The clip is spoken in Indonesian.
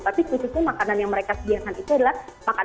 tapi khususnya makanan yang mereka sediakan itu adalah makanan